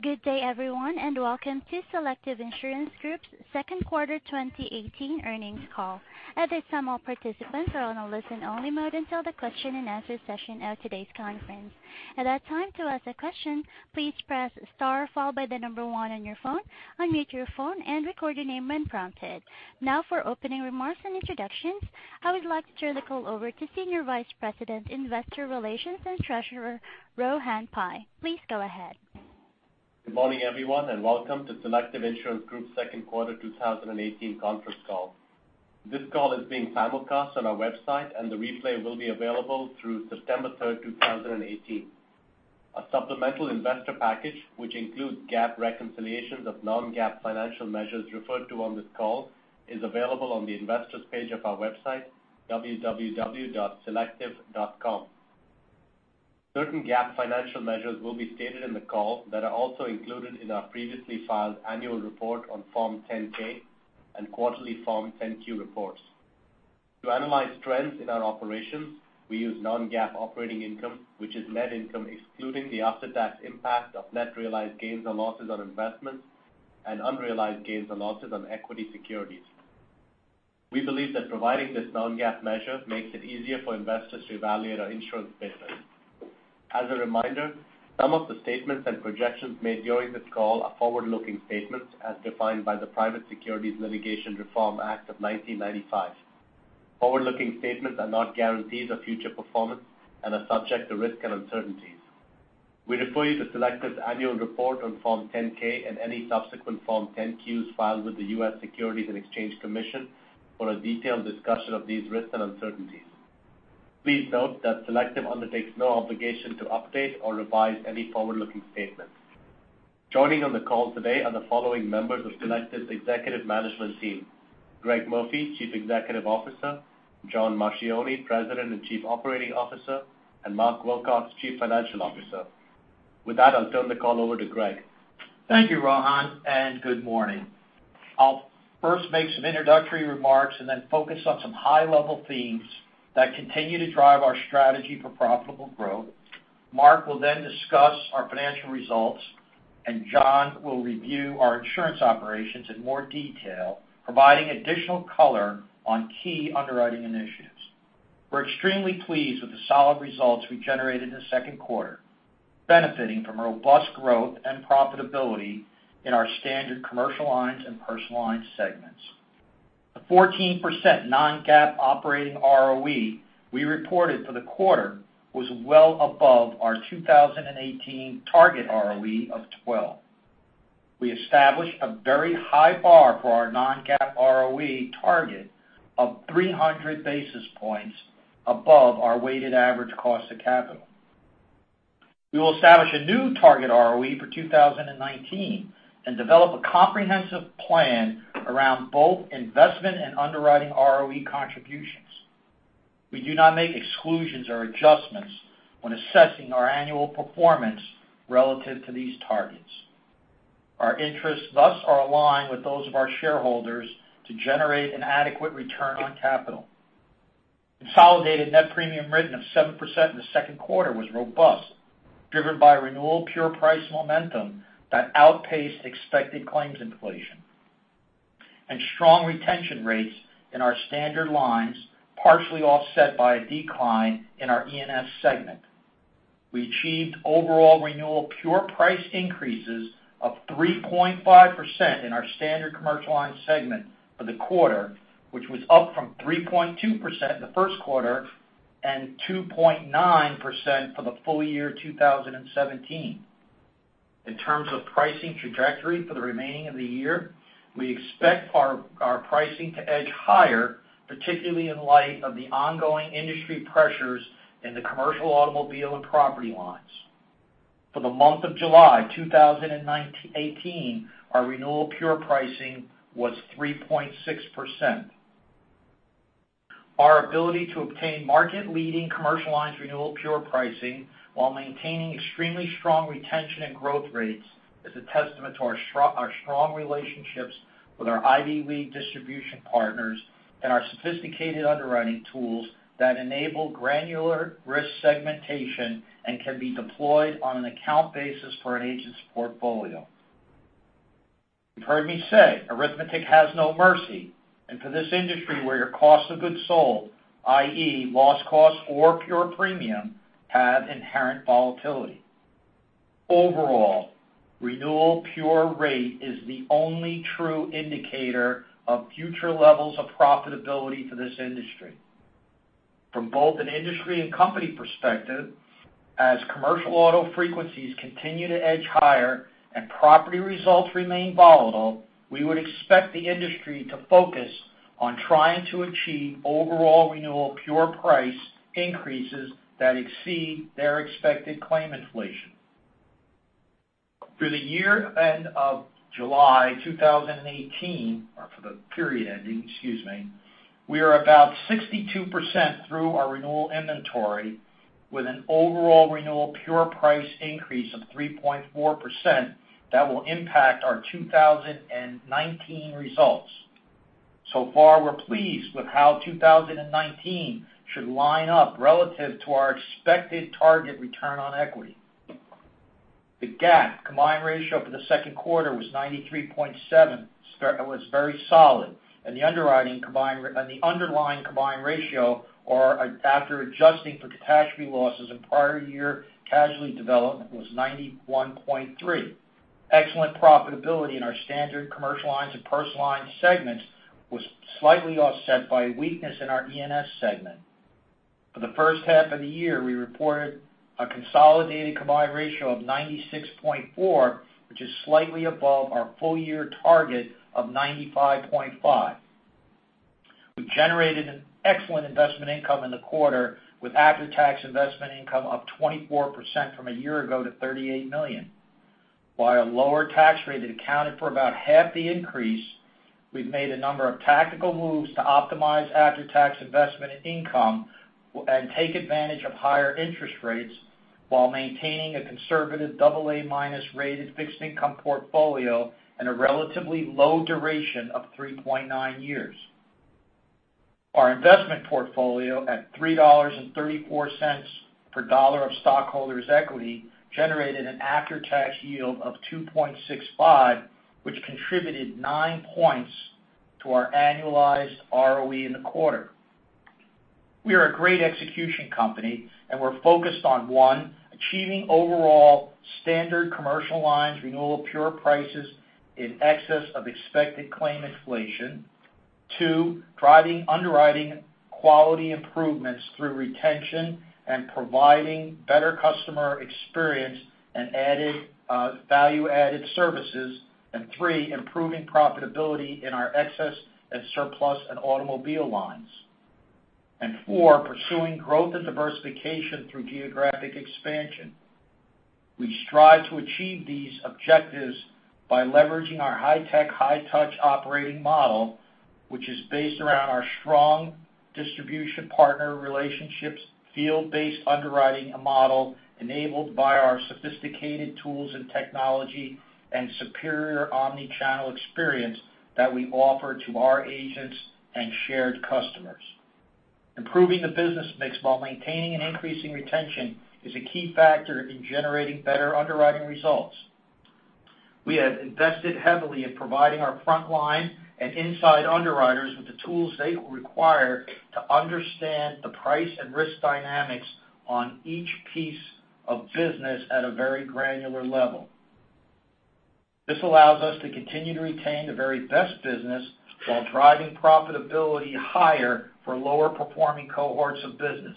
Good day everyone. Welcome to Selective Insurance Group's second quarter 2018 earnings call. At this time, all participants are on a listen-only mode until the question and answer session of today's conference. At that time, to ask a question, please press star followed by the number 1 on your phone, unmute your phone, and record your name when prompted. For opening remarks and introductions, I would like to turn the call over to Senior Vice President, Investor Relations and Treasurer, Rohan Pai. Please go ahead. Good morning, everyone. Welcome to Selective Insurance Group's second quarter 2018 conference call. This call is being simulcast on our website, and the replay will be available through September 3rd, 2018. A supplemental investor package, which includes GAAP reconciliations of non-GAAP financial measures referred to on this call, is available on the investor's page of our website, www.selective.com. Certain GAAP financial measures will be stated in the call that are also included in our previously filed annual report on Form 10-K and quarterly Form 10-Q reports. To analyze trends in our operations, we use non-GAAP operating income, which is net income excluding the after-tax impact of net realized gains or losses on investments and unrealized gains or losses on equity securities. We believe that providing this non-GAAP measure makes it easier for investors to evaluate our insurance business. As a reminder, some of the statements and projections made during this call are forward-looking statements as defined by the Private Securities Litigation Reform Act of 1995. Forward-looking statements are not guarantees of future performance and are subject to risk and uncertainties. We refer you to Selective's annual report on Form 10-K and any subsequent Form 10-Qs filed with the U.S. Securities and Exchange Commission for a detailed discussion of these risks and uncertainties. Please note that Selective undertakes no obligation to update or revise any forward-looking statements. Joining on the call today are the following members of Selective's executive management team: Greg Murphy, Chief Executive Officer; John Marchioni, President and Chief Operating Officer; and Mark Wilcox, Chief Financial Officer. I'll turn the call over to Greg. Thank you, Rohan. Good morning. I'll first make some introductory remarks and then focus on some high-level themes that continue to drive our strategy for profitable growth. Mark will then discuss our financial results. John will review our insurance operations in more detail, providing additional color on key underwriting initiatives. We're extremely pleased with the solid results we generated in the second quarter, benefiting from robust growth and profitability in our Standard Commercial Lines and Personal Lines segments. The 14% non-GAAP operating ROE we reported for the quarter was well above our 2018 target ROE of 12%. We established a very high bar for our non-GAAP ROE target of 300 basis points above our weighted average cost of capital. We will establish a new target ROE for 2019 and develop a comprehensive plan around both investment and underwriting ROE contributions. We do not make exclusions or adjustments when assessing our annual performance relative to these targets. Our interests, thus are aligned with those of our shareholders to generate an adequate return on capital. Consolidated net premium written of 7% in the second quarter was robust, driven by renewal pure price momentum that outpaced expected claims inflation, and strong retention rates in our standard lines, partially offset by a decline in our E&S segment. We achieved overall renewal pure price increases of 3.5% in our Standard Commercial Lines segment for the quarter, which was up from 3.2% in the first quarter and 2.9% for the full year 2017. In terms of pricing trajectory for the remaining of the year, we expect our pricing to edge higher, particularly in light of the ongoing industry pressures in the Commercial Auto and property lines. For the month of July 2018, our renewal pure pricing was 3.6%. Our ability to obtain market-leading commercial lines renewal pure pricing while maintaining extremely strong retention and growth rates is a testament to our strong relationships with our Ivy League distribution partners and our sophisticated underwriting tools that enable granular risk segmentation and can be deployed on an account basis for an agent's portfolio. You've heard me say, arithmetic has no mercy. For this industry where your cost of goods sold, i.e., loss costs or pure premium, have inherent volatility. Overall, renewal pure rate is the only true indicator of future levels of profitability for this industry. From both an industry and company perspective, as Commercial Auto frequencies continue to edge higher and property results remain volatile, we would expect the industry to focus on trying to achieve overall renewal pure price increases that exceed their expected claim inflation. Through the year end of July 2018, or for the period ending, excuse me, we are about 62% through our renewal inventory with an overall renewal pure price increase of 3.4% that will impact our 2019 results. Far, we're pleased with how 2019 should line up relative to our expected target return on equity. The GAAP combined ratio for the second quarter was 93.7. It was very solid. The underlying combined ratio or after adjusting for catastrophe losses and prior year casualty development was 91.3. Excellent profitability in our Standard Commercial Lines and Personal Lines segments was slightly offset by weakness in our E&S segment. For the first half of the year, we reported a consolidated combined ratio of 96.4, which is slightly above our full-year target of 95.5. We've generated an excellent investment income in the quarter with after-tax investment income up 24% from a year ago to $38 million. While a lower tax rate that accounted for about half the increase, we've made a number of tactical moves to optimize after-tax investment and income and take advantage of higher interest rates while maintaining a conservative AA- rated fixed income portfolio and a relatively low duration of 3.9 years. Our investment portfolio at $3.34 per dollar of stockholders' equity, generated an after-tax yield of 2.65, which contributed nine points to our annualized ROE in the quarter. We are a great execution company. We're focused on, one, achieving overall Standard Commercial Lines renewal pure prices in excess of expected claim inflation. Two, driving underwriting quality improvements through retention and providing better customer experience and value-added services. Three, improving profitability in our excess and surplus and automobile lines. Four, pursuing growth and diversification through geographic expansion. We strive to achieve these objectives by leveraging our high-tech, high-touch operating model, which is based around our strong distribution partner relationships, field-based underwriting model, enabled by our sophisticated tools and technology and superior omni-channel experience that we offer to our agents and shared customers. Improving the business mix while maintaining and increasing retention is a key factor in generating better underwriting results. We have invested heavily in providing our front-line and inside underwriters with the tools they require to understand the price and risk dynamics on each piece of business at a very granular level. This allows us to continue to retain the very best business while driving profitability higher for lower performing cohorts of business.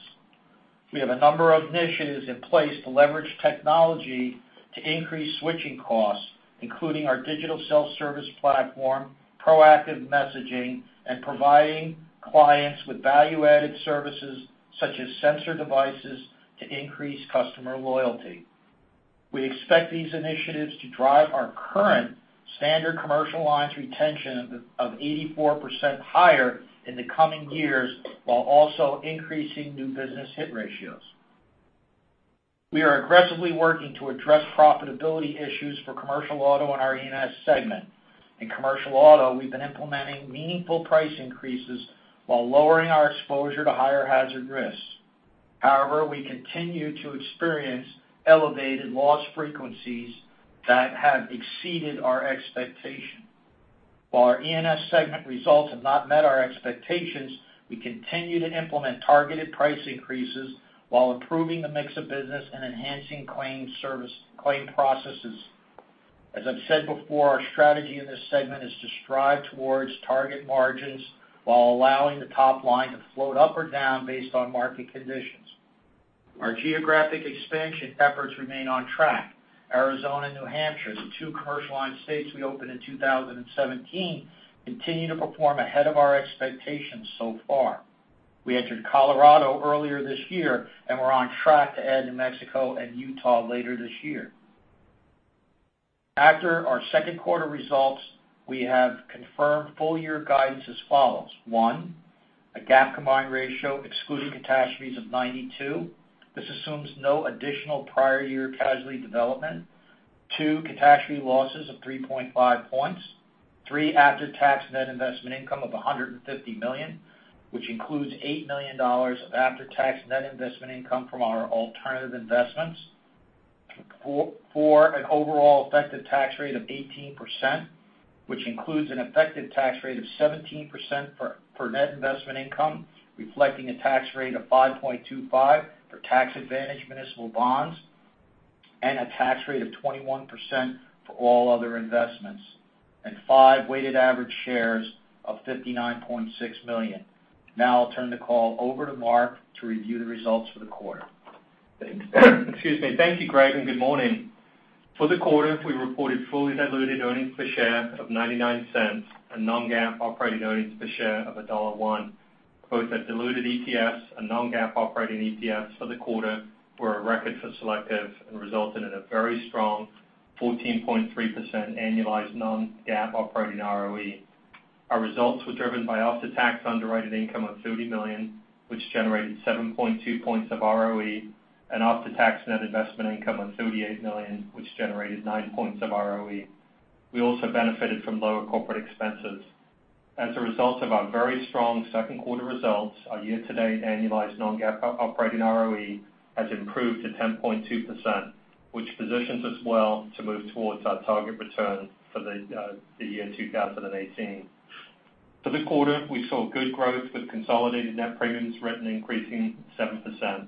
We have a number of initiatives in place to leverage technology to increase switching costs, including our digital self-service platform, proactive messaging, and providing clients with value-added services such as sensor devices to increase customer loyalty. We expect these initiatives to drive our current Standard Commercial Lines retention of 84% higher in the coming years while also increasing new business hit ratios. We are aggressively working to address profitability issues for Commercial Auto in our E&S segment. In Commercial Auto, we've been implementing meaningful price increases while lowering our exposure to higher hazard risks. However, we continue to experience elevated loss frequencies that have exceeded our expectation. While our E&S segment results have not met our expectations, we continue to implement targeted price increases while improving the mix of business and enhancing claim processes. As I've said before, our strategy in this segment is to strive towards target margins while allowing the top line to float up or down based on market conditions. Our geographic expansion efforts remain on track. Arizona and New Hampshire, the two commercial line states we opened in 2017, continue to perform ahead of our expectations so far. We entered Colorado earlier this year, we're on track to add New Mexico and Utah later this year. After our second quarter results, we have confirmed full-year guidance as follows. One, a GAAP combined ratio excluding catastrophes of 92. This assumes no additional prior year casualty development. Two, catastrophe losses of 3.5 points. Three, after-tax net investment income of $150 million, which includes $8 million of after-tax net investment income from our alternative investments. Four, an overall effective tax rate of 18%, which includes an effective tax rate of 17% for net investment income, reflecting a tax rate of 5.25% for tax advantage municipal bonds and a tax rate of 21% for all other investments. Five, weighted average shares of 59.6 million. Now I'll turn the call over to Mark to review the results for the quarter. Excuse me. Thank you, Greg, and good morning. For the quarter, we reported fully diluted earnings per share of $0.99 and non-GAAP operating earnings per share of $1.01. Both the diluted EPS and non-GAAP operating EPS for the quarter were a record for Selective and resulted in a very strong 14.3% annualized non-GAAP operating ROE. Our results were driven by after-tax underwritten income of $30 million, which generated 7.2 points of ROE. After-tax net investment income of $38 million, which generated nine points of ROE. We also benefited from lower corporate expenses. As a result of our very strong second quarter results, our year-to-date annualized non-GAAP operating ROE has improved to 10.2%, which positions us well to move towards our target return for the year 2018. For the quarter, we saw good growth, with consolidated net premiums written increasing 7%,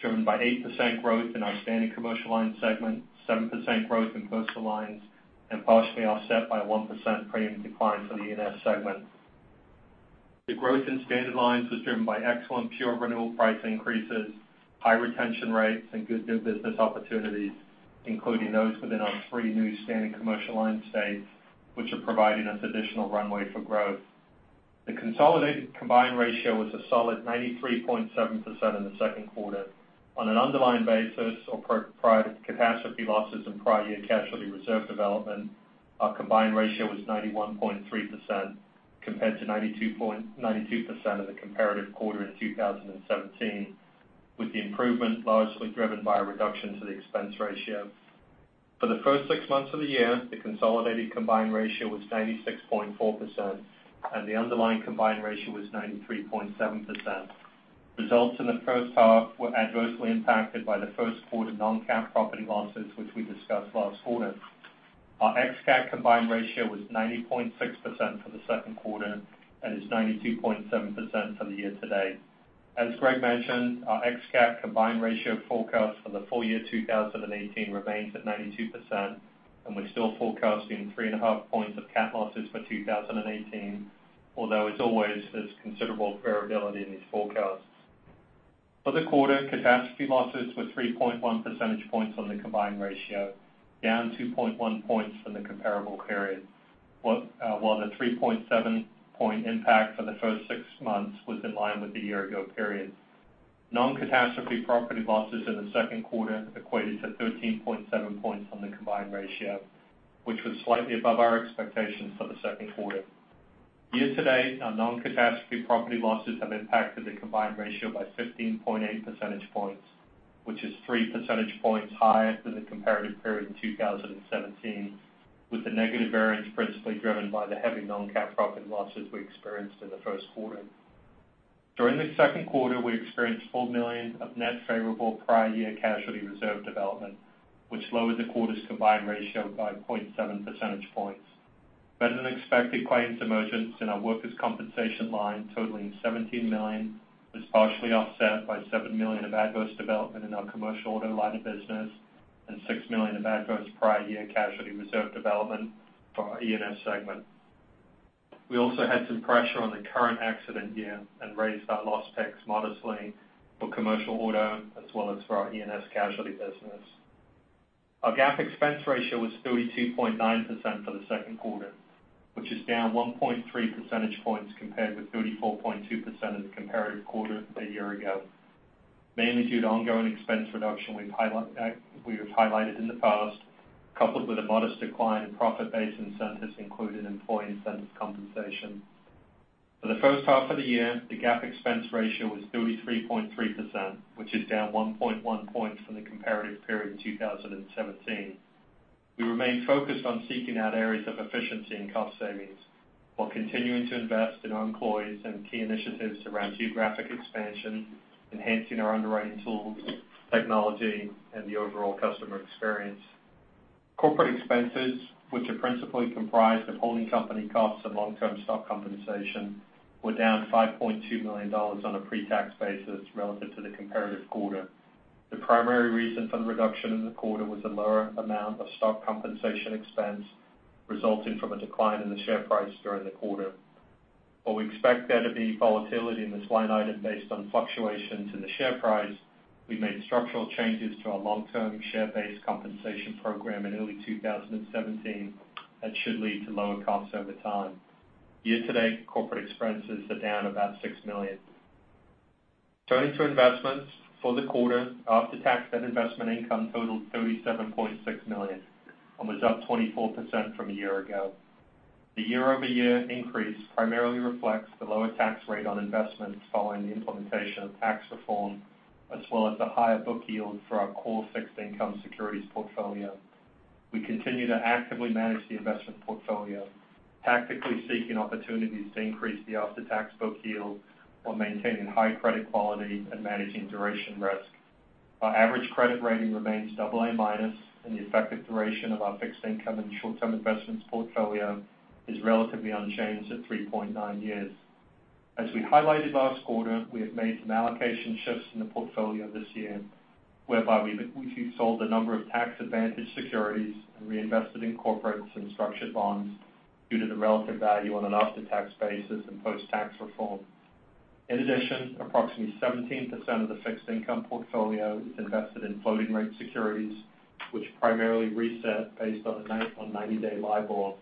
driven by 8% growth in our Standard Commercial Lines segment, 7% growth in Personal Lines, and partially offset by 1% premium decline for the E&S segment. The growth in Standard Commercial Lines was driven by excellent pure renewal price increases, high retention rates, and good new business opportunities, including those within our three new Standard Commercial Lines states, which are providing us additional runway for growth. The consolidated combined ratio was a solid 93.7% in the second quarter. On an underlying basis or per prior catastrophe losses and prior year casualty reserve development, our combined ratio was 91.3% compared to 92% in the comparative quarter in 2017, with the improvement largely driven by a reduction to the expense ratio. For the first six months of the year, the consolidated combined ratio was 96.4%, and the underlying combined ratio was 93.7%. Results in the first half were adversely impacted by the first quarter non-cat property losses, which we discussed last quarter. Our ex-cat combined ratio was 90.6% for the second quarter and is 92.7% for the year to date. As Greg mentioned, our ex-cat combined ratio forecast for the full year 2018 remains at 92%, and we're still forecasting three and a half points of cat losses for 2018, although there's always considerable variability in these forecasts. For the quarter, catastrophe losses were 3.1 percentage points on the combined ratio, down 2.1 points from the comparable period, while the 3.7-point impact for the first six months was in line with the year-ago period. Non-catastrophe property losses in the second quarter equated to 13.7 points on the combined ratio, which was slightly above our expectations for the second quarter. Year to date, our non-catastrophe property losses have impacted the combined ratio by 15.8 percentage points, which is three percentage points higher than the comparative period in 2017, with the negative variance principally driven by the heavy non-cat property losses we experienced in the first quarter. During the second quarter, we experienced $4 million of net favorable prior year casualty reserve development, which lowered the quarter's combined ratio by 0.7 percentage points. Better-than-expected claims emergence in our Workers' Compensation line totaling $17 million was partially offset by $7 million of adverse development in our Commercial Auto line of business and $6 million of adverse prior year casualty reserve development for our E&S segment. We also had some pressure on the current accident year and raised our loss picks modestly for Commercial Auto as well as for our E&S casualty business. Our GAAP expense ratio was 32.9% for the second quarter, which is down 1.3 percentage points compared with 34.2% in the comparative quarter a year ago, mainly due to ongoing expense reduction we have highlighted in the past, coupled with a modest decline in profit-based incentives, including employee incentive compensation. For the first half of the year, the GAAP expense ratio was 33.3%, which is down 1.1 points from the comparative period in 2017. We remain focused on seeking out areas of efficiency and cost savings while continuing to invest in our employees and key initiatives around geographic expansion, enhancing our underwriting tools, technology, and the overall customer experience. Corporate expenses, which are principally comprised of holding company costs and long-term stock compensation, were down $5.2 million on a pre-tax basis relative to the comparative quarter. The primary reason for the reduction in the quarter was a lower amount of stock compensation expense resulting from a decline in the share price during the quarter. While we expect there to be volatility in this line item based on fluctuations in the share price, we made structural changes to our long-term share-based compensation program in early 2017 that should lead to lower costs over time. Year to date, corporate expenses are down about $6 million. Turning to investments, for the quarter, after-tax investment income totaled $37.6 million and was up 24% from a year ago. The year-over-year increase primarily reflects the lower tax rate on investments following the implementation of tax reform as well as the higher book yield for our core fixed income securities portfolio. We continue to actively manage the investment portfolio, tactically seeking opportunities to increase the after-tax book yield while maintaining high credit quality and managing duration risk. Our average credit rating remains AA minus, and the effective duration of our fixed income and short-term investments portfolio is relatively unchanged at 3.9 years. In addition, approximately 17% of the fixed income portfolio is invested in floating rate securities, which primarily reset based on 90-day LIBOR.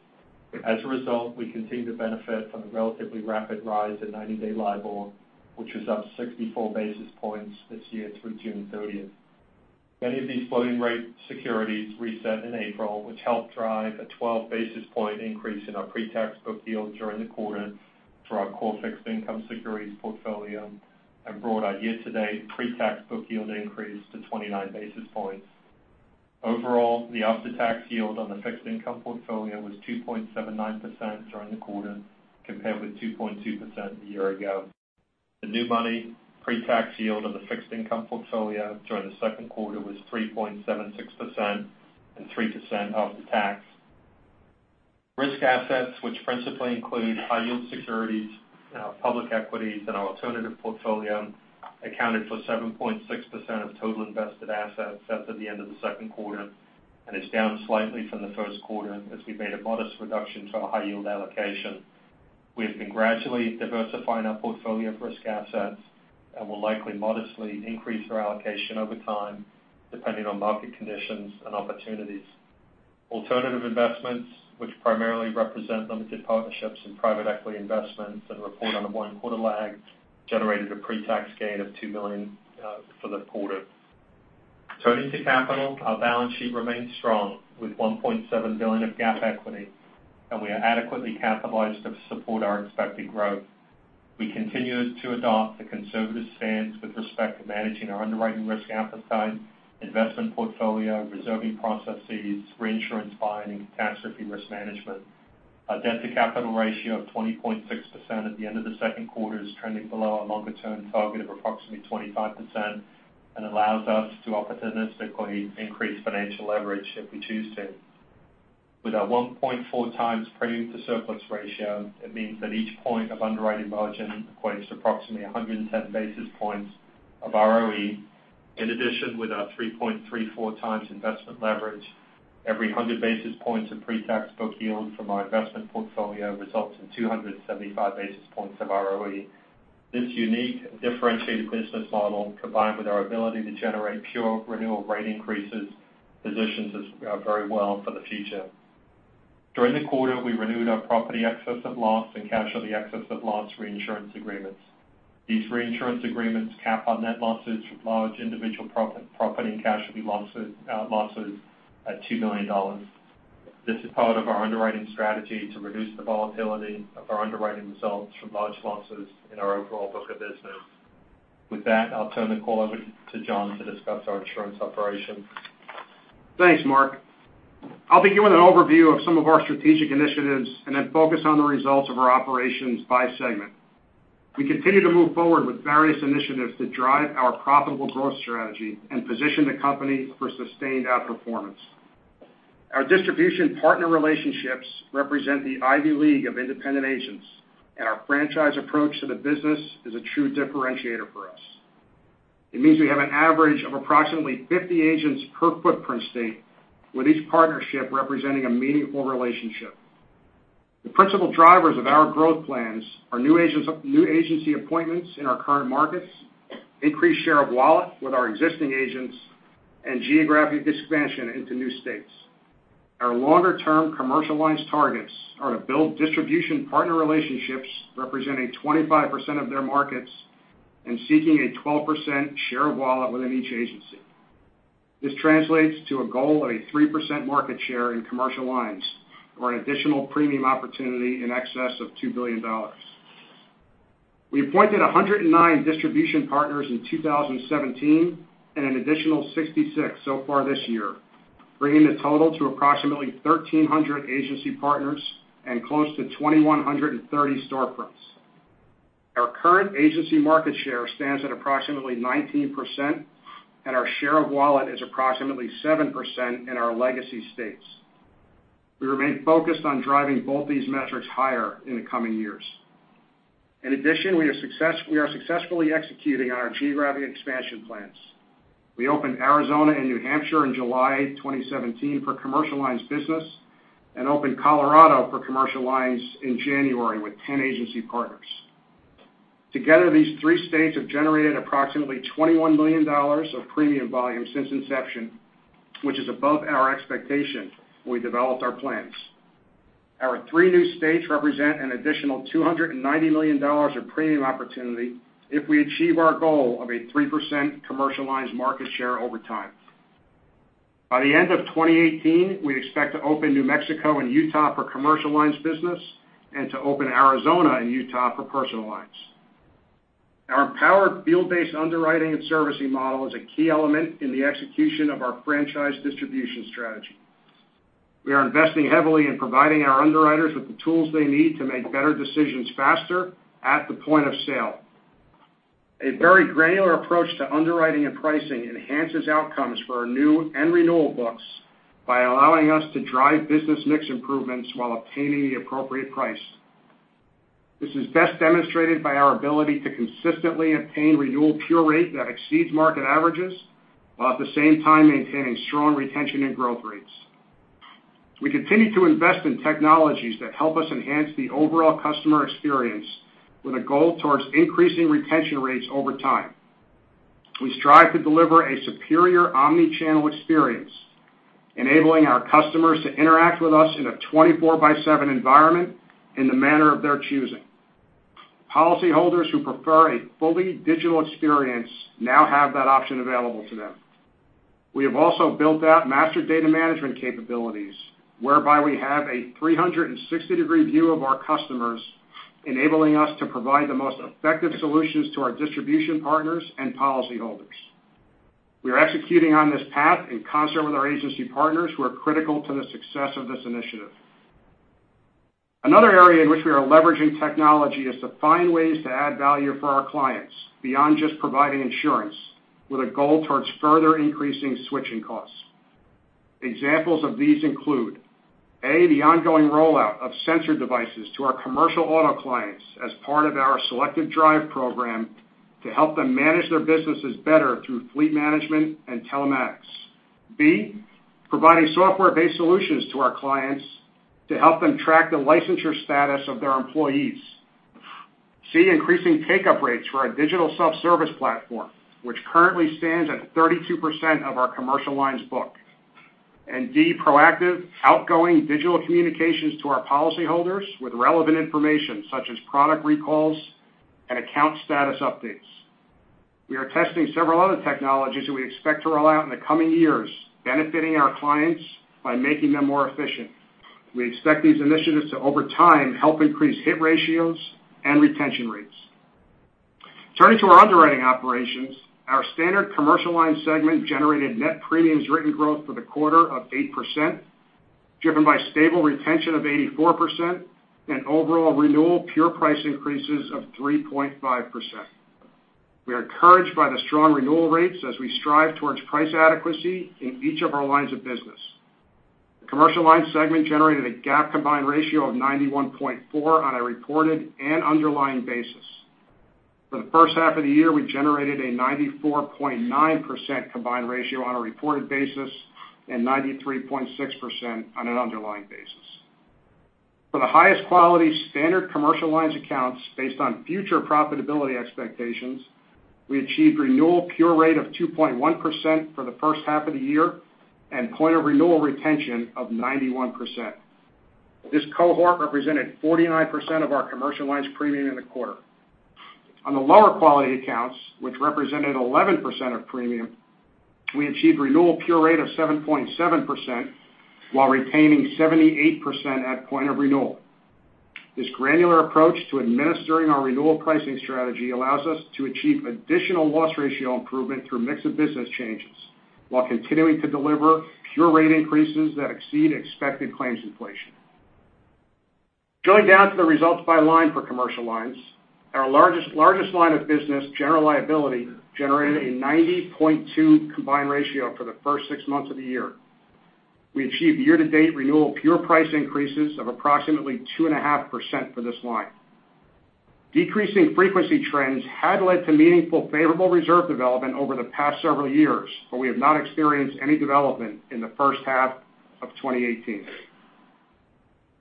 As a result, we continue to benefit from the relatively rapid rise in 90-day LIBOR, which was up 64 basis points this year through June 30th. Many of these floating rate securities reset in April, which helped drive a 12-basis point increase in our pre-tax book yield during the quarter for our core fixed income securities portfolio and brought our year-to-date pre-tax book yield increase to 29 basis points. Overall, the after-tax yield on the fixed income portfolio was 2.79% during the quarter, compared with 2.2% a year ago. The new money pre-tax yield on the fixed income portfolio during the second quarter was 3.76% and 3% after tax. Risk assets, which principally include high-yield securities, public equities and alternative portfolio, accounted for 7.6% of total invested assets as of the end of the second quarter, and is down slightly from the first quarter as we made a modest reduction to our high-yield allocation. We have been gradually diversifying our portfolio of risk assets and will likely modestly increase our allocation over time, depending on market conditions and opportunities. Alternative investments, which primarily represent limited partnerships and private equity investments and report on a one-quarter lag, generated a pre-tax gain of $2 million for the quarter. Turning to capital, our balance sheet remains strong with $1.7 billion of GAAP equity, and we are adequately capitalized to support our expected growth. We continue to adopt a conservative stance with respect to managing our underwriting risk appetite, investment portfolio, reserving processes, reinsurance buying, and catastrophe risk management. Our debt-to-capital ratio of 20.6% at the end of the second quarter is trending below our longer-term target of approximately 25% and allows us to opportunistically increase financial leverage if we choose to. With our 1.4 times premium to surplus ratio, it means that each point of underwriting margin equates to approximately 110 basis points of ROE. In addition, with our 3.34 times investment leverage, every 100 basis points of pre-tax book yield from our investment portfolio results in 275 basis points of ROE. This unique differentiated business model, combined with our ability to generate pure renewal rate increases, positions us very well for the future. During the quarter, we renewed our property excess of loss and casualty excess of loss reinsurance agreements. These reinsurance agreements cap our net losses from large individual property and casualty losses at $2 million. This is part of our underwriting strategy to reduce the volatility of our underwriting results from large losses in our overall book of business. With that, I'll turn the call over to John to discuss our insurance operations. Thanks, Mark. I'll begin with an overview of some of our strategic initiatives and then focus on the results of our operations by segment. We continue to move forward with various initiatives that drive our profitable growth strategy and position the company for sustained outperformance. Our distribution partner relationships represent the Ivy League of independent agents, and our franchise approach to the business is a true differentiator for us. It means we have an average of approximately 50 agents per footprint state, with each partnership representing a meaningful relationship. The principal drivers of our growth plans are new agency appointments in our current markets, increased share of wallet with our existing agents, and geographic expansion into new states. Our longer-term commercial lines targets are to build distribution partner relationships representing 25% of their markets and seeking a 12% share of wallet within each agency. This translates to a goal of a 3% market share in commercial lines or an additional premium opportunity in excess of $2 billion. We appointed 109 distribution partners in 2017 and an additional 66 so far this year, bringing the total to approximately 1,300 agency partners and close to 2,130 storefronts. Our current agency market share stands at approximately 19%, and our share of wallet is approximately 7% in our legacy states. We remain focused on driving both these metrics higher in the coming years. In addition, we are successfully executing on our geographic expansion plans. We opened Arizona and New Hampshire in July 2017 for commercial lines business and opened Colorado for commercial lines in January with 10 agency partners. Together, these three states have generated approximately $21 million of premium volume since inception, which is above our expectation when we developed our plans. Our three new states represent an additional $290 million of premium opportunity if we achieve our goal of a 3% commercial lines market share over time. By the end of 2018, we expect to open New Mexico and Utah for commercial lines business and to open Arizona and Utah for Personal Lines. Our empowered field-based underwriting and servicing model is a key element in the execution of our franchise distribution strategy. We are investing heavily in providing our underwriters with the tools they need to make better decisions faster at the point of sale. A very granular approach to underwriting and pricing enhances outcomes for our new and renewal books by allowing us to drive business mix improvements while obtaining the appropriate price. This is best demonstrated by our ability to consistently obtain renewal pure rate that exceeds market averages, while at the same time maintaining strong retention and growth rates. We continue to invest in technologies that help us enhance the overall customer experience with a goal towards increasing retention rates over time. We strive to deliver a superior omni-channel experience, enabling our customers to interact with us in a 24/7 environment in the manner of their choosing. Policyholders who prefer a fully digital experience now have that option available to them. We have also built out master data management capabilities, whereby we have a 360-degree view of our customers, enabling us to provide the most effective solutions to our distribution partners and policyholders. We are executing on this path in concert with our agency partners who are critical to the success of this initiative. Another area in which we are leveraging technology is to find ways to add value for our clients beyond just providing insurance, with a goal towards further increasing switching costs. Examples of these include, A, the ongoing rollout of sensor devices to our Commercial Auto clients as part of our Selective Drive program to help them manage their businesses better through fleet management and telematics. B, providing software-based solutions to our clients to help them track the licensure status of their employees. C, increasing take-up rates for our digital self-service platform, which currently stands at 32% of our commercial lines book. D, proactive, outgoing digital communications to our policyholders with relevant information such as product recalls and account status updates. We are testing several other technologies that we expect to roll out in the coming years, benefiting our clients by making them more efficient. We expect these initiatives to, over time, help increase hit ratios and retention rates. Turning to our underwriting operations, our Standard Commercial Lines segment generated net premiums written growth for the quarter of 8%, driven by stable retention of 84% and overall renewal pure price increases of 3.5%. We are encouraged by the strong renewal rates as we strive towards price adequacy in each of our lines of business. The Commercial Lines segment generated a GAAP combined ratio of 91.4% on a reported and underlying basis. For the first half of the year, we generated a 94.9% combined ratio on a reported basis and 93.6% on an underlying basis. For the highest quality Standard Commercial Lines accounts, based on future profitability expectations, we achieved renewal pure rate of 2.1% for the first half of the year and point of renewal retention of 91%. This cohort represented 49% of our commercial lines premium in the quarter. On the lower quality accounts, which represented 11% of premium, we achieved renewal pure rate of 7.7% while retaining 78% at point of renewal. This granular approach to administering our renewal pricing strategy allows us to achieve additional loss ratio improvement through mix of business changes while continuing to deliver pure rate increases that exceed expected claims inflation. Drilling down to the results by line for commercial lines, our largest line of business, General Liability, generated a 90.2% combined ratio for the first six months of the year. We achieved year-to-date renewal pure price increases of approximately 2.5% for this line. Decreasing frequency trends had led to meaningful favorable reserve development over the past several years, but we have not experienced any development in the first half of 2018.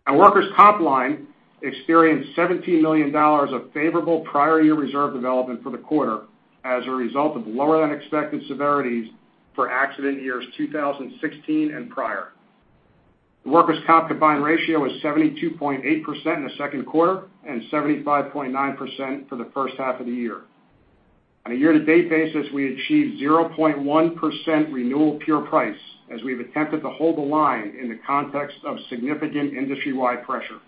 Our Workers' Comp line experienced $17 million of favorable prior year reserve development for the quarter as a result of lower than expected severities for accident years 2016 and prior. The Workers' Comp combined ratio was 72.8% in the second quarter and 75.9% for the first half of the year. On a year-to-date basis, we achieved 0.1% renewal pure price, as we've attempted to hold the line in the context of significant industry-wide pressure.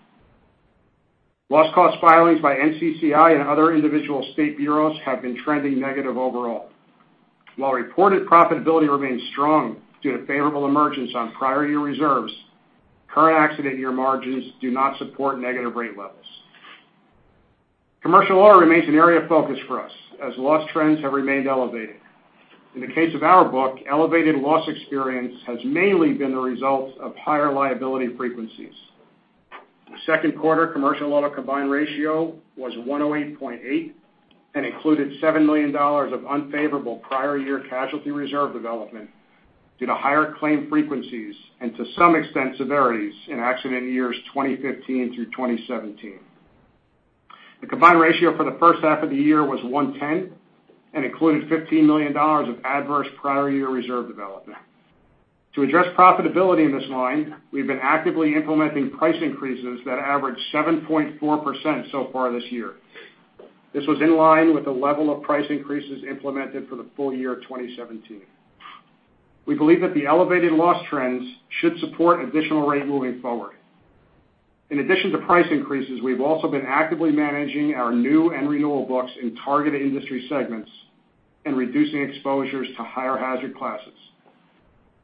Loss cost filings by NCCI and other individual state bureaus have been trending negative overall. While reported profitability remains strong due to favorable emergence on prior year reserves, current accident year margins do not support negative rate levels. Commercial Auto remains an area of focus for us, as loss trends have remained elevated. In the case of our book, elevated loss experience has mainly been the result of higher liability frequencies. The second quarter Commercial Auto combined ratio was 108.8% and included $7 million of unfavorable prior year casualty reserve development due to higher claim frequencies and to some extent, severities in accident years 2015 through 2017. The combined ratio for the first half of the year was 110% and included $15 million of adverse prior year reserve development. To address profitability in this line, we've been actively implementing price increases that averaged 7.4% so far this year. This was in line with the level of price increases implemented for the full year 2017. We believe that the elevated loss trends should support additional rate moving forward. In addition to price increases, we've also been actively managing our new and renewal books in targeted industry segments and reducing exposures to higher hazard classes.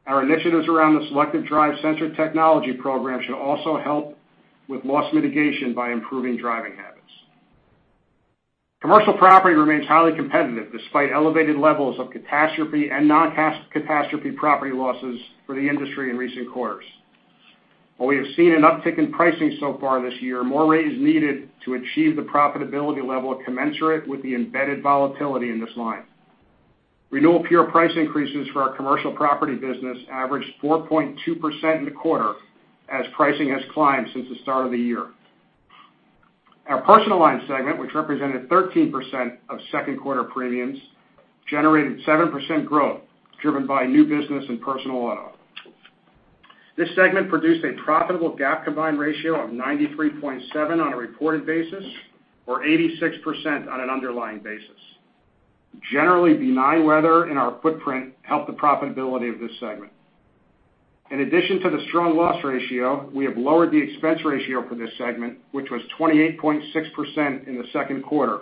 Our initiatives around the Selective Drive sensor technology program should also help with loss mitigation by improving driving habits. Commercial Property remains highly competitive despite elevated levels of catastrophe and non-catastrophe property losses for the industry in recent quarters. While we have seen an uptick in pricing so far this year, more rate is needed to achieve the profitability level commensurate with the embedded volatility in this line. Renewal pure price increases for our Commercial Property business averaged 4.2% in the quarter, as pricing has climbed since the start of the year. Our Personal Lines segment, which represented 13% of second quarter premiums, generated 7% growth, driven by new business and Personal Auto. This segment produced a profitable GAAP combined ratio of 93.7 on a reported basis, or 86% on an underlying basis. Generally benign weather in our footprint helped the profitability of this segment. In addition to the strong loss ratio, we have lowered the expense ratio for this segment, which was 28.6% in the second quarter,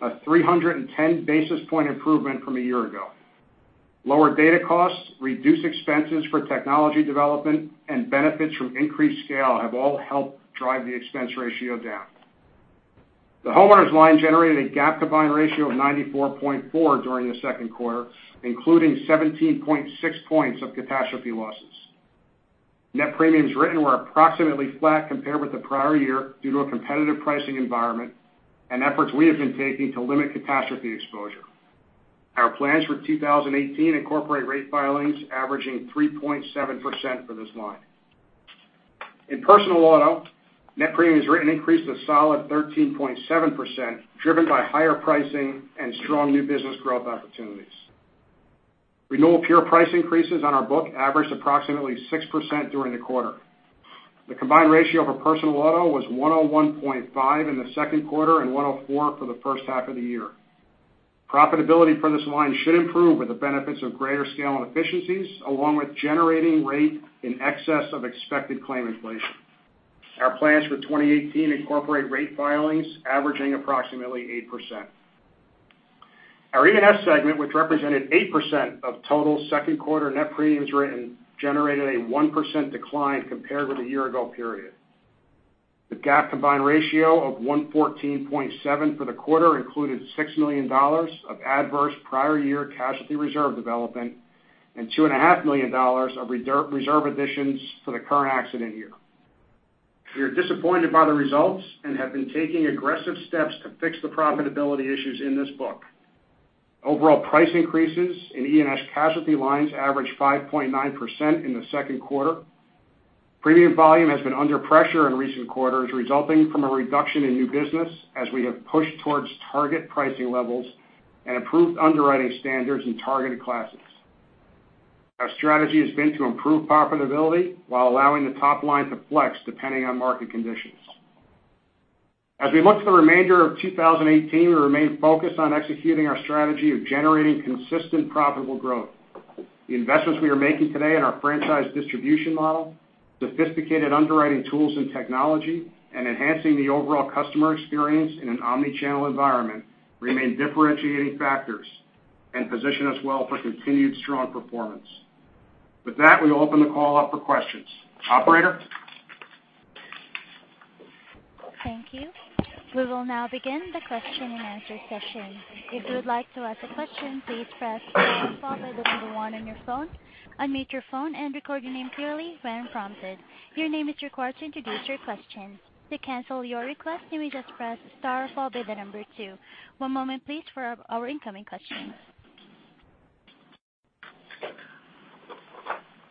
a 310 basis point improvement from a year ago. Lower data costs, reduced expenses for technology development, and benefits from increased scale have all helped drive the expense ratio down. The homeowners line generated a GAAP combined ratio of 94.4 during the second quarter, including 17.6 points of catastrophe losses. Net premiums written were approximately flat compared with the prior year due to a competitive pricing environment and efforts we have been taking to limit catastrophe exposure. Our plans for 2018 incorporate rate filings averaging 3.7% for this line. In Personal Auto, net premiums written increased a solid 13.7%, driven by higher pricing and strong new business growth opportunities. Renewal pure price increases on our book averaged approximately 6% during the quarter. The combined ratio of a Personal Auto was 101.5 in the second quarter and 104 for the first half of the year. Profitability for this line should improve with the benefits of greater scale and efficiencies, along with generating rate in excess of expected claim inflation. Our plans for 2018 incorporate rate filings averaging approximately 8%. Our E&S segment, which represented 8% of total second quarter net premiums written, generated a 1% decline compared with the year-ago period. The GAAP combined ratio of 114.7 for the quarter included $6 million of adverse prior year casualty reserve development and $2.5 million of reserve additions for the current accident year. We are disappointed by the results and have been taking aggressive steps to fix the profitability issues in this book. Overall price increases in E&S casualty lines averaged 5.9% in the second quarter. Premium volume has been under pressure in recent quarters, resulting from a reduction in new business as we have pushed towards target pricing levels and improved underwriting standards in targeted classes. Our strategy has been to improve profitability while allowing the top line to flex depending on market conditions. As we look to the remainder of 2018, we remain focused on executing our strategy of generating consistent profitable growth. The investments we are making today in our franchise distribution model, sophisticated underwriting tools and technology, and enhancing the overall customer experience in an omni-channel environment remain differentiating factors and position us well for continued strong performance. With that, we open the call up for questions. Operator? Thank you. We will now begin the question and answer session. If you would like to ask a question, please press star followed by the number 1 on your phone, unmute your phone, and record your name clearly when prompted. Your name is required to introduce your question. To cancel your request, you may just press star followed by the number 2. One moment, please, for our incoming questions.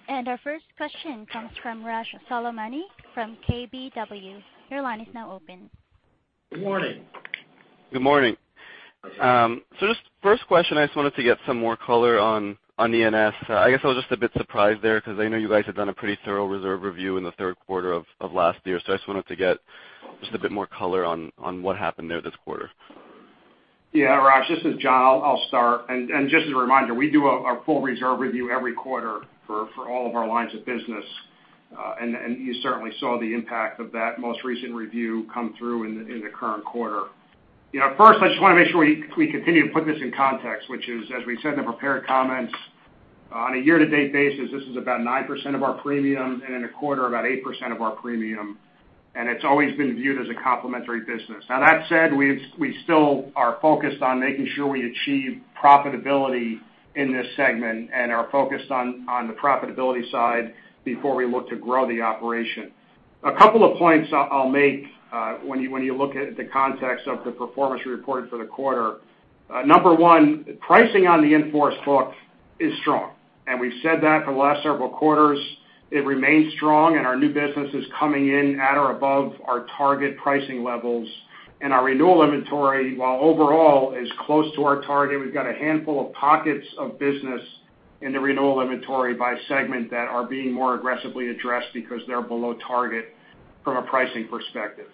Our first question comes from Arash Soleimani from KBW. Your line is now open. Good morning. Good morning. Just first question, I just wanted to get some more color on E&S. I guess I was just a bit surprised there because I know you guys have done a pretty thorough reserve review in the third quarter of last year. I just wanted to get just a bit more color on what happened there this quarter. Yeah, Arash, this is John. I'll start. Just as a reminder, we do our full reserve review every quarter for all of our lines of business. You certainly saw the impact of that most recent review come through in the current quarter. First, I just want to make sure we continue to put this in context, which is, as we said in the prepared comments, on a year to date basis, this is about 9% of our premium, and in a quarter, about 8% of our premium. It's always been viewed as a complementary business. Now, that said, we still are focused on making sure we achieve profitability in this segment and are focused on the profitability side before we look to grow the operation. A couple of points I'll make when you look at the context of the performance we reported for the quarter. Number one, pricing on the in-force book is strong, and we've said that for the last several quarters. It remains strong, our new business is coming in at or above our target pricing levels. Our renewal inventory, while overall is close to our target, we've got a handful of pockets of business in the renewal inventory by segment that are being more aggressively addressed because they're below target from a pricing perspective.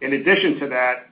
In addition to that,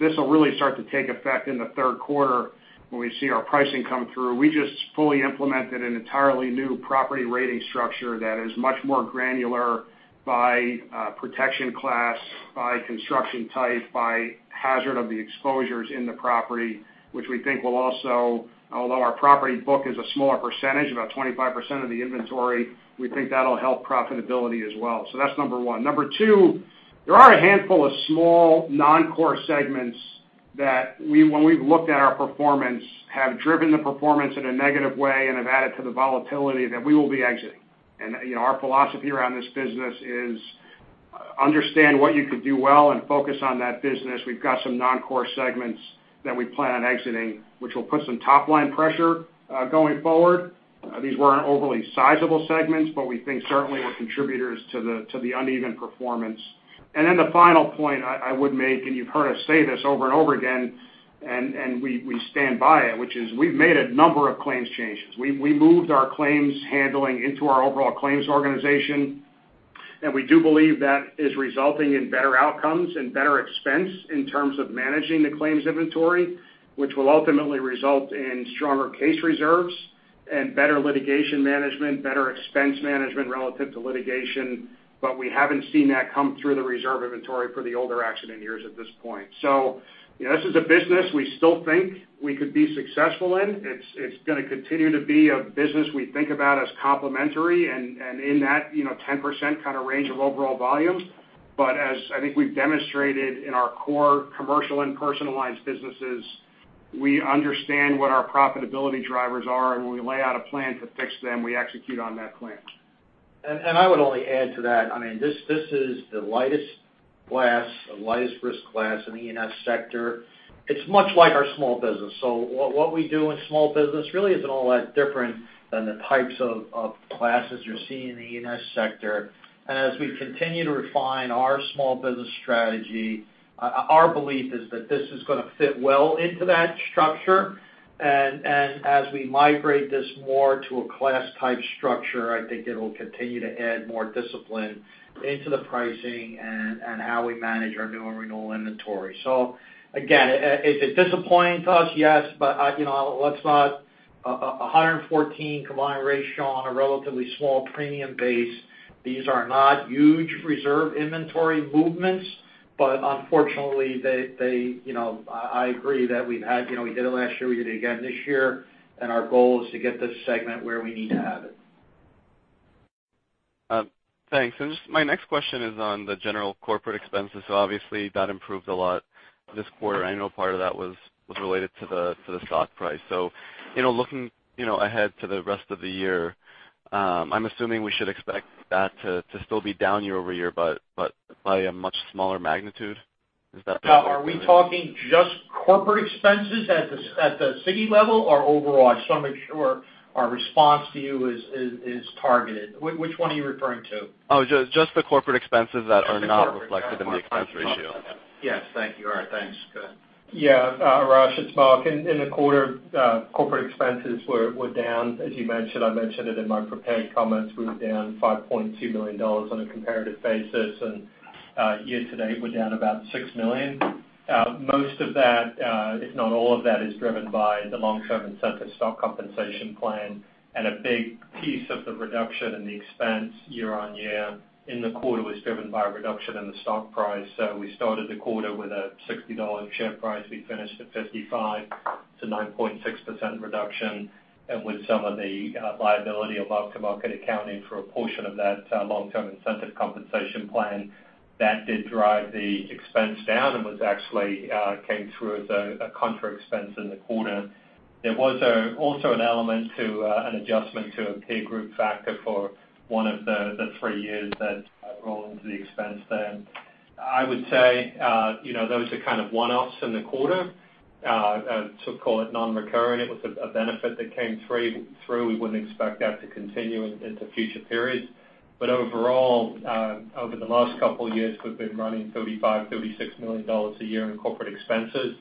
this will really start to take effect in the third quarter when we see our pricing come through, we just fully implemented an entirely new property rating structure that is much more granular by protection class, by construction type, by hazard of the exposures in the property, which we think will also, although our property book is a smaller percentage, about 25% of the inventory, we think that'll help profitability as well. That's number one. Number two, there are a handful of small non-core segments that when we've looked at our performance, have driven the performance in a negative way and have added to the volatility that we will be exiting. Our philosophy around this business is understand what you can do well and focus on that business. We've got some non-core segments that we plan on exiting, which will put some top-line pressure going forward. These weren't overly sizable segments, but we think certainly were contributors to the uneven performance. The final point I would make, and you've heard us say this over and over again, and we stand by it, which is we've made a number of claims changes. We moved our claims handling into our overall claims organization, we do believe that is resulting in better outcomes and better expense in terms of managing the claims inventory, which will ultimately result in stronger case reserves and better litigation management, better expense management relative to litigation. We haven't seen that come through the reserve inventory for the older accident years at this point. This is a business we still think we could be successful in. It's going to continue to be a business we think about as complementary and in that 10% kind of range of overall volumes. As I think we've demonstrated in our core Commercial Lines and Personal Lines businesses, we understand what our profitability drivers are, when we lay out a plan to fix them, we execute on that plan. I would only add to that, this is the lightest class, the lightest risk class in the E&S sector. It's much like our small business. What we do in small business really isn't all that different than the types of classes you see in the E&S sector. As we continue to refine our small business strategy, our belief is that this is going to fit well into that structure. As we migrate this more to a class type structure, I think it'll continue to add more discipline into the pricing and how we manage our new and renewal inventory. Again, is it disappointing to us? Yes. Let's not, 114 combined ratio on a relatively small premium base. These are not huge reserve inventory movements, unfortunately, I agree that we did it last year, we did it again this year, and our goal is to get this segment where we need to have it. Thanks. My next question is on the general corporate expenses. Obviously that improved a lot this quarter. I know part of that was related to the stock price. Looking ahead to the rest of the year, I'm assuming we should expect that to still be down year-over-year, but by a much smaller magnitude. Is that? Are we talking just corporate expenses at the CIG level or overall? I just want to make sure our response to you is targeted. Which one are you referring to? Just the corporate expenses that are not reflected in the expense ratio. Yes. Thank you. All right, thanks. Arash, it's Mark. In the quarter, corporate expenses were down, as you mentioned. I mentioned it in my prepared comments. We were down $5.2 million on a comparative basis. Year to date, we're down about $6 million. Most of that, if not all of that, is driven by the long-term incentive stock compensation plan. A big piece of the reduction in the expense year-over-year in the quarter was driven by a reduction in the stock price. We started the quarter with a $60 share price. We finished at $55. It's a 9.6% reduction. With some of the liability above-the-market accounting for a portion of that long-term incentive compensation plan, that did drive the expense down and was actually came through as a contra expense in the quarter. There was also an element to an adjustment to a peer group factor for one of the three years that roll into the expense then. I would say those are kind of one-offs in the quarter, so call it non-recurring. It was a benefit that came through. We wouldn't expect that to continue into future periods. Overall, over the last couple of years, we've been running $35, $36 million a year in corporate expenses.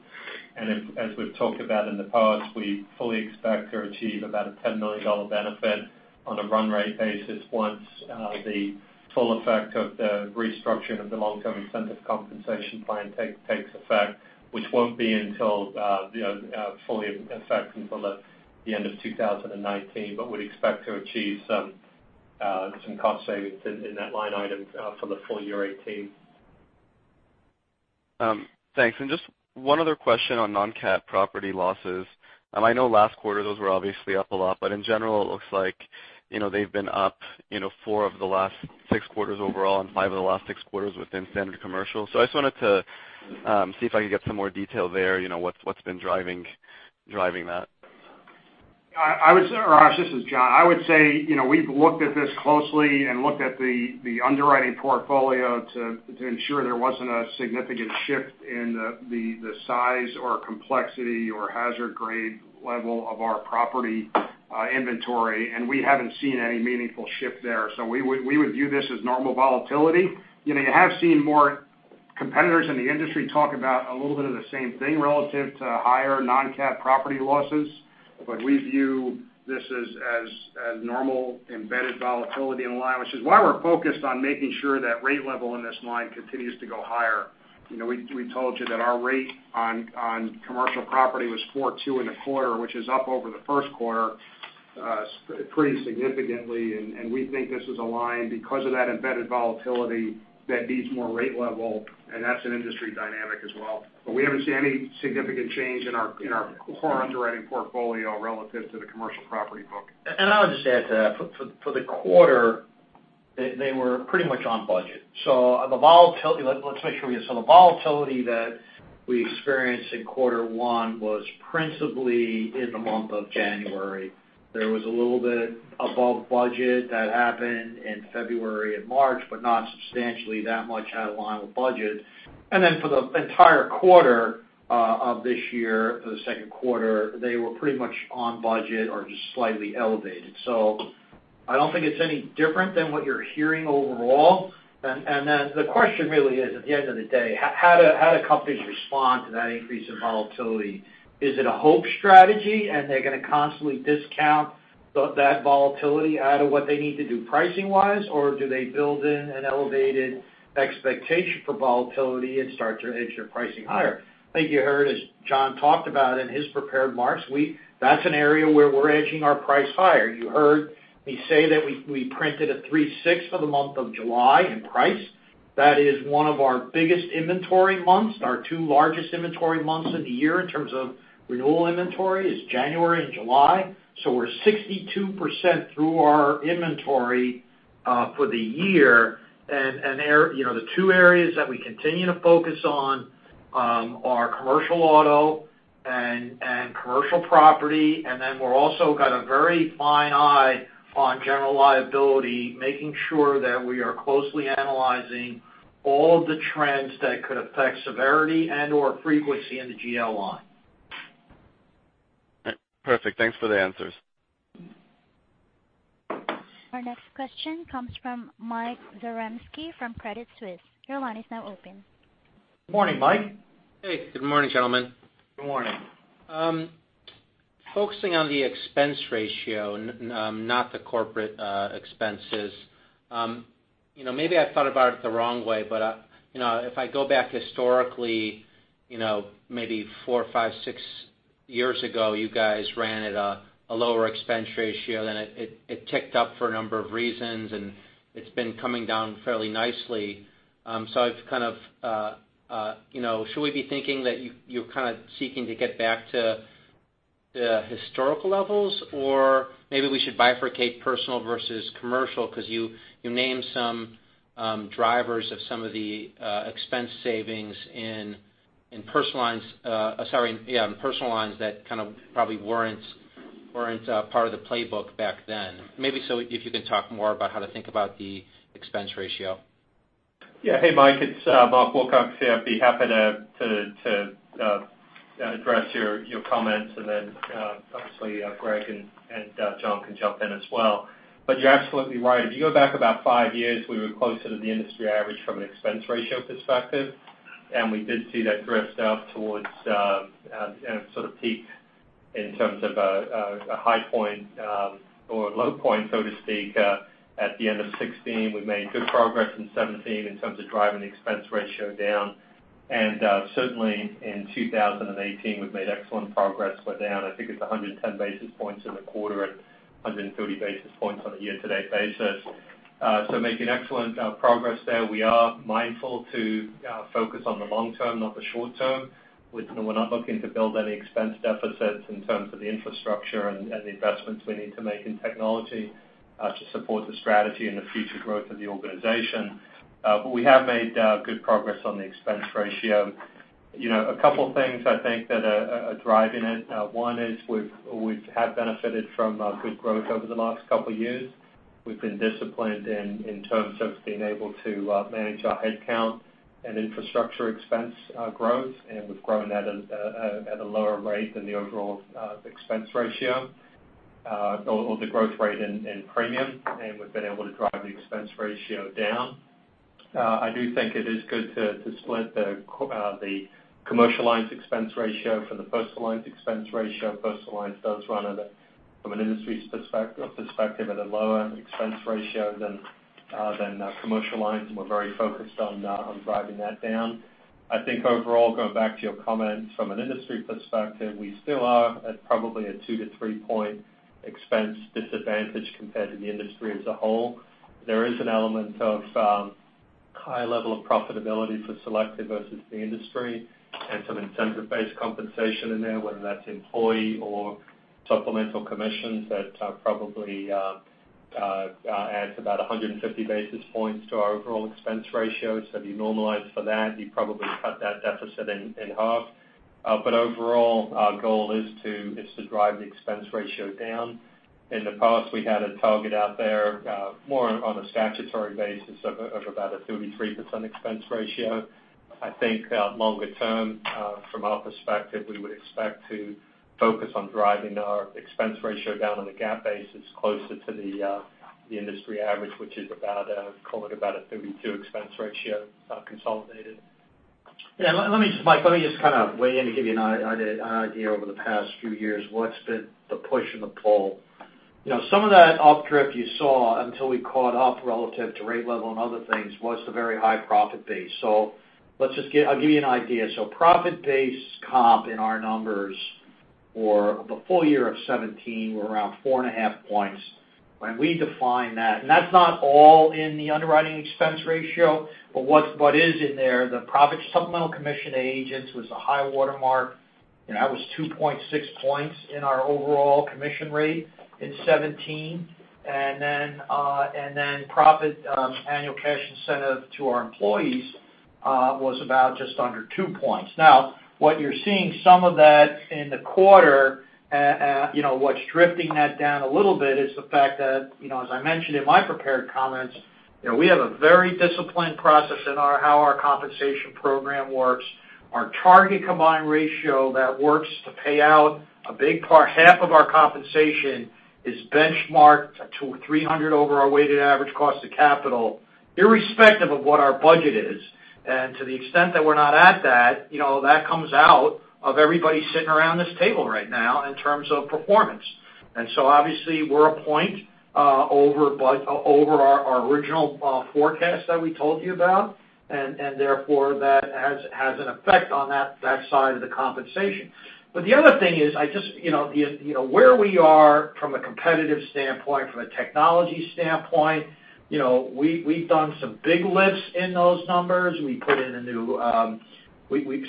As we've talked about in the past, we fully expect to achieve about a $10 million benefit on a run rate basis once the full effect of the restructuring of the long-term incentive compensation plan takes effect, which won't be until, fully effect until the end of 2019, but we'd expect to achieve some cost savings in that line item for the full year 2018. Thanks. Just one other question on non-cat property losses. I know last quarter, those were obviously up a lot, but in general, it looks like they've been up four of the last six quarters overall and five of the last six quarters within standard commercial. I just wanted to see if I could get some more detail there, what's been driving that. Arash, this is John. I would say we've looked at this closely and looked at the underwriting portfolio to ensure there wasn't a significant shift in the size or complexity or hazard grade level of our property inventory, and we haven't seen any meaningful shift there. We would view this as normal volatility. You have seen more competitors in the industry talk about a little bit of the same thing relative to higher non-cat property losses. We view this as normal embedded volatility in the line, which is why we're focused on making sure that rate level in this line continues to go higher. We told you that our rate on Commercial Property was 4.2 in the quarter, which is up over the first quarter pretty significantly, and we think this is a line because of that embedded volatility that needs more rate level, and that's an industry dynamic as well. We haven't seen any significant change in our core underwriting portfolio relative to the Commercial Property book. I'll just add to that. For the quarter, they were pretty much on budget. The volatility that we experienced in quarter one was principally in the month of January. There was a little bit above budget that happened in February and March, not substantially that much out of line with budget. For the entire quarter of this year, for the second quarter, they were pretty much on budget or just slightly elevated. I don't think it's any different than what you're hearing overall. The question really is, at the end of the day, how do companies respond to that increase in volatility? Is it a hope strategy, and they're going to constantly discount that volatility out of what they need to do pricing-wise? Do they build in an elevated expectation for volatility and start to edge their pricing higher? I think you heard, as John talked about in his prepared remarks, that's an area where we're edging our price higher. You heard me say that we printed a 3.6% for the month of July in price. That is one of our biggest inventory months. Our two largest inventory months of the year in terms of renewal inventory is January and July. We're 62% through our inventory for the year. The two areas that we continue to focus on are Commercial Auto and Commercial Property. We're also got a very fine eye on General Liability, making sure that we are closely analyzing all the trends that could affect severity and/or frequency in the GL line. All right. Perfect. Thanks for the answers. Our next question comes from Michael Zaremski from Credit Suisse. Your line is now open. Morning, Mike. Hey, good morning, gentlemen. Good morning. Focusing on the expense ratio, not the corporate expenses. Maybe I thought about it the wrong way, but if I go back historically, four or five, six years ago, you guys ran at a lower expense ratio, then it ticked up for a number of reasons, and it's been coming down fairly nicely. Should we be thinking that you're kind of seeking to get back to the historical levels? Maybe we should bifurcate personal versus commercial because you named some drivers of some of the expense savings in Personal Lines that kind of probably weren't part of the playbook back then. Maybe if you could talk more about how to think about the expense ratio. Yeah. Hey, Mike, it's Mark Wilcox here. I'd be happy to address your comments. Obviously, Greg and John can jump in as well. You're absolutely right. If you go back about five years, we were closer to the industry average from an expense ratio perspective, and we did see that drift up towards and sort of peak in terms of a high point or a low point, so to speak, at the end of 2016. We've made good progress in 2017 in terms of driving the expense ratio down. Certainly in 2018, we've made excellent progress. We're down, I think it's 110 basis points in the quarter and 130 basis points on a year-to-date basis. Making excellent progress there. We are mindful to focus on the long term, not the short term. We're not looking to build any expense deficits in terms of the infrastructure and the investments we need to make in technology to support the strategy and the future growth of the organization. We have made good progress on the expense ratio. A couple things I think that are driving it. One is we have benefited from good growth over the last couple of years. We've been disciplined in terms of being able to manage our headcount and infrastructure expense growth, and we've grown at a lower rate than the overall expense ratio or the growth rate in premium, and we've been able to drive the expense ratio down. I do think it is good to split the Commercial Lines expense ratio from the Personal Lines expense ratio. Personal Lines does run, from an industry perspective, at a lower expense ratio than Commercial Lines, and we're very focused on driving that down. I think overall, going back to your comment from an industry perspective, we still are at probably a two to three-point expense disadvantage compared to the industry as a whole. There is an element of high level of profitability for Selective versus the industry and some incentive-based compensation in there, whether that's employee or supplemental commissions that probably adds about 150 basis points to our overall expense ratio. If you normalize for that, you probably cut that deficit in half. Overall, our goal is to drive the expense ratio down. In the past, we had a target out there more on a statutory basis of about a 33% expense ratio. I think longer term from our perspective, we would expect to focus on driving our expense ratio down on a GAAP basis closer to the industry average, which is about, call it about a 32 expense ratio consolidated. Yeah. Mike, let me just kind of weigh in to give you an idea over the past few years what's been the push and the pull. Some of that up drift you saw until we caught up relative to rate level and other things was the very high profit base. I'll give you an idea. Profit base comp in our numbers for the full year of 2017 were around four and a half points. When we define that, and that's not all in the underwriting expense ratio, but what is in there, the profit supplemental commission agents was the high watermark. That was 2.6 points in our overall commission rate in 2017. Profit annual cash incentive to our employees was about just under two points. What you're seeing some of that in the quarter, what's drifting that down a little bit is the fact that, as I mentioned in my prepared comments, we have a very disciplined process in how our compensation program works. Our target combined ratio that works to pay out a big part, half of our compensation is benchmarked to 300 over our weighted average cost of capital, irrespective of what our budget is. To the extent that we're not at that comes out of everybody sitting around this table right now in terms of performance. Obviously, we're a point over our original forecast that we told you about, and therefore, that has an effect on that side of the compensation. The other thing is, where we are from a competitive standpoint, from a technology standpoint, we've done some big lifts in those numbers.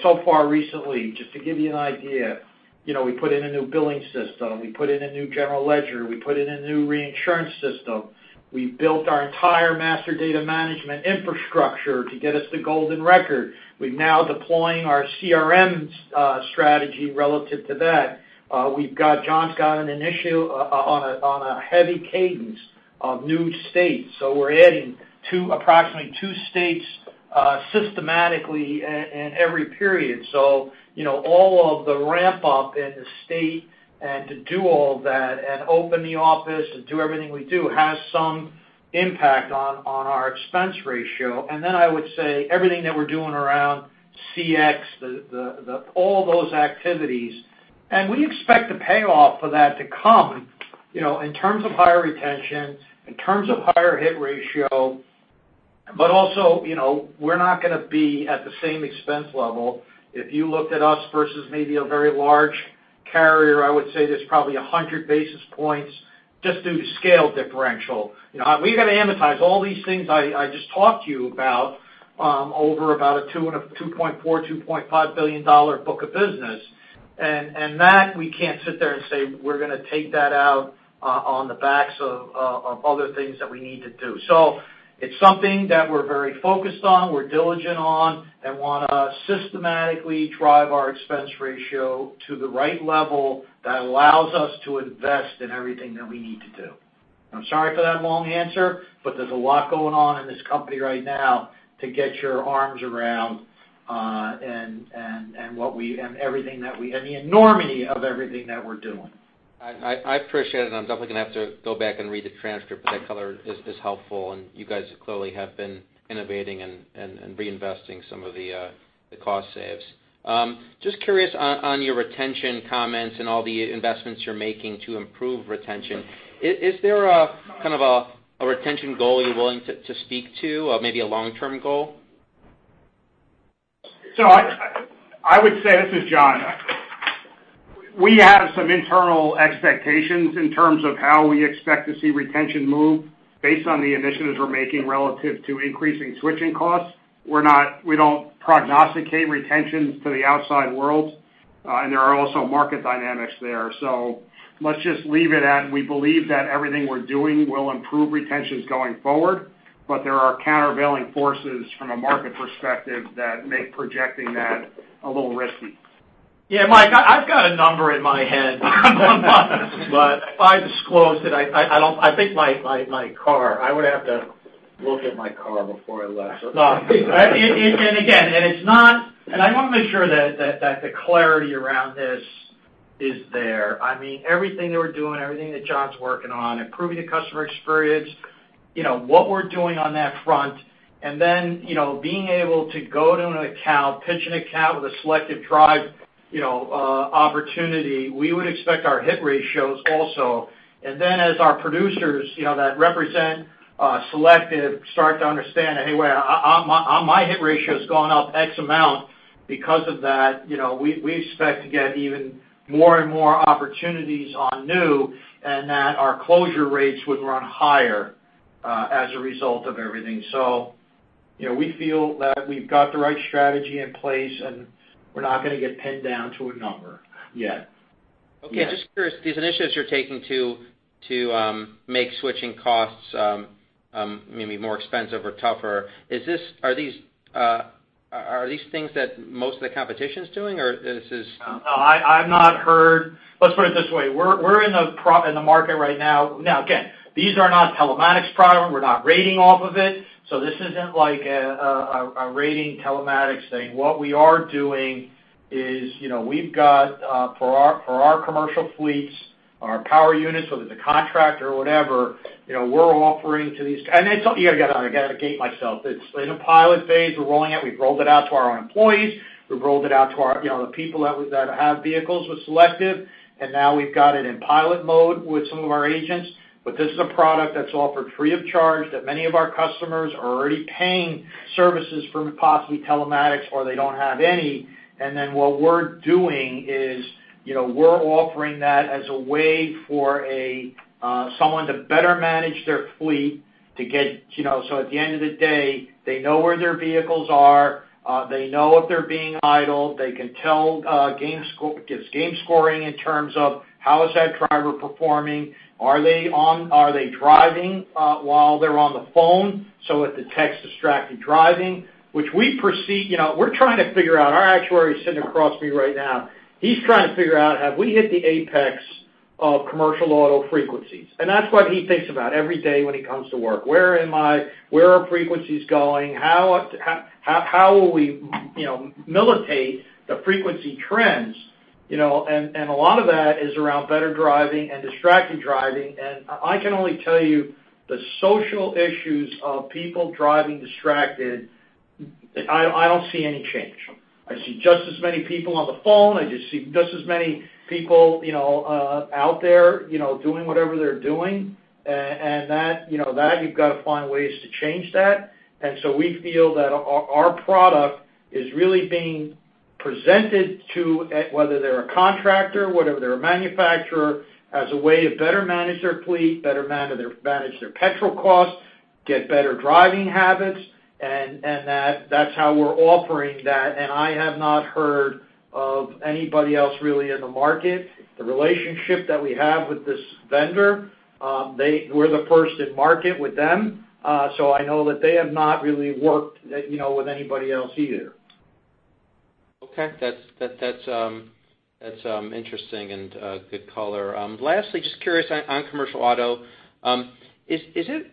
So far, recently, just to give you an idea, we put in a new billing system. We put in a new general ledger. We put in a new reinsurance system. We built our entire master data management infrastructure to get us the golden record. We're now deploying our CRMs strategy relative to that. John's got an initiative on a heavy cadence of new states. We're adding approximately two states systematically in every period. All of the ramp-up in the state and to do all that and open the office and do everything we do has some impact on our expense ratio. I would say everything that we're doing around CX, all those activities. We expect the payoff for that to come in terms of higher retention, in terms of higher hit ratio. Also, we're not going to be at the same expense level. If you looked at us versus maybe a very large carrier, I would say there's probably 100 basis points just due to scale differential. We've got to amortize all these things I just talked to you about over about a $2.4 billion-$2.5 billion book of business. That we can't sit there and say we're going to take that out on the backs of other things that we need to do. It's something that we're very focused on, we're diligent on, and want to systematically drive our expense ratio to the right level that allows us to invest in everything that we need to do. I'm sorry for that long answer, there's a lot going on in this company right now to get your arms around and the enormity of everything that we're doing. I appreciate it, I'm definitely going to have to go back and read the transcript, that color is helpful, and you guys clearly have been innovating and reinvesting some of the cost saves. Just curious on your retention comments and all the investments you're making to improve retention. Is there a retention goal you're willing to speak to, or maybe a long-term goal? I would say, this is John. We have some internal expectations in terms of how we expect to see retention move based on the initiatives we're making relative to increasing switching costs. We don't prognosticate retention to the outside world. There are also market dynamics there. Let's just leave it at, we believe that everything we're doing will improve retentions going forward, there are countervailing forces from a market perspective that make projecting that a little risky. Yeah, Mike, I've got a number in my head. If I disclose it, I think I would have to look at my car before I left. Again, I want to make sure that the clarity around this is there. Everything that we're doing, everything that John's working on, improving the customer experience, what we're doing on that front, then being able to go to an account, pitch an account with a Selective Drive opportunity, we would expect our hit ratios also. Then as our producers that represent Selective start to understand, "Hey, my hit ratio's gone up X amount because of that," we expect to get even more and more opportunities on new, that our closure rates would run higher as a result of everything. We feel that we've got the right strategy in place, we're not going to get pinned down to a number yet. Okay. Just curious, these initiatives you're taking to make switching costs maybe more expensive or tougher, are these things that most of the competition's doing, or this is. No, I've not heard. Let's put it this way. We're in the market right now. Again, these are not telematics product. We're not rating off of it. This isn't like a rating telematics thing. What we are doing is, we've got for our commercial fleets, our power units, whether it's a contract or whatever, we're offering to these I've got to gate myself. It's in a pilot phase. We're rolling it. We've rolled it out to our own employees. We've rolled it out to the people that have vehicles with Selective, now we've got it in pilot mode with some of our agents. This is a product that's offered free of charge that many of our customers are already paying services from possibly Telematics, or they don't have any. What we're doing is we're offering that as a way for someone to better manage their fleet. At the end of the day, they know where their vehicles are. They know if they're being idled. It gives game scoring in terms of how is that driver performing. Are they driving while they're on the phone? It detects distracted driving. Our actuary's sitting across me right now. He's trying to figure out, have we hit the apex of Commercial Auto frequencies? That's what he thinks about every day when he comes to work. Where am I? Where are frequencies going? How will we militate the frequency trends? A lot of that is around better driving and distracted driving. I can only tell you the social issues of people driving distracted, I don't see any change. I see just as many people on the phone. I just see just as many people out there doing whatever they're doing, you've got to find ways to change that. We feel that our product is really being presented to, whether they're a contractor, whether they're a manufacturer, as a way to better manage their fleet, better manage their petrol costs, get better driving habits, that's how we're offering that. I have not heard of anybody else really in the market. The relationship that we have with this vendor, we're the first in market with them. I know that they have not really worked with anybody else either. Okay. That's interesting and good color. Lastly, just curious on Commercial Auto. Is the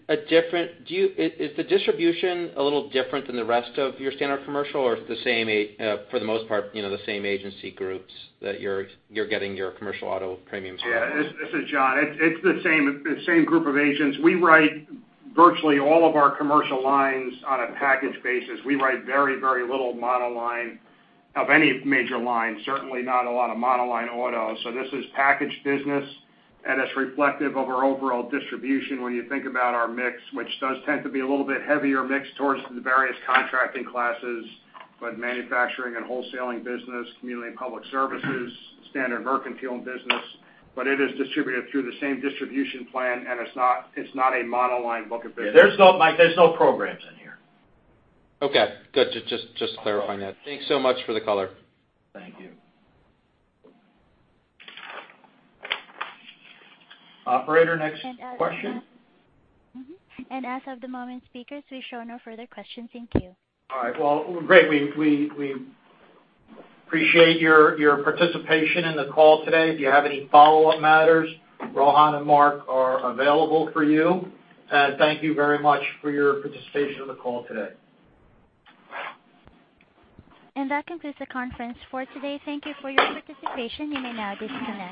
distribution a little different than the rest of your standard commercial, or for the most part, the same agency groups that you're getting your Commercial Auto premiums from? Yeah. This is John. It's the same group of agents. We write virtually all of our commercial lines on a package basis. We write very, very little monoline of any major line, certainly not a lot of monoline auto. This is packaged business, and it's reflective of our overall distribution when you think about our mix, which does tend to be a little bit heavier mix towards the various contracting classes, manufacturing and wholesaling business, community and public services, standard mercantile business. It is distributed through the same distribution plan, and it's not a monoline book of business. Mike, there's no programs in here. Okay, good. Just clarifying that. Thanks so much for the color. Thank you. Operator, next question. As of the moment, speakers, we show no further questions. Thank you. All right. Well, great. We appreciate your participation in the call today. If you have any follow-up matters, Rohan and Mark are available for you. Thank you very much for your participation in the call today. That concludes the conference for today. Thank you for your participation. You may now disconnect.